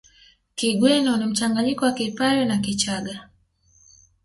Kigweno ni mchanganyiko wa Kipare na Kichagga